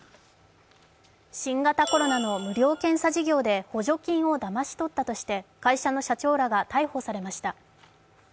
新型コロナの無料検査事業で補助金をだまし取ったとして会社の社長らが逮捕されました。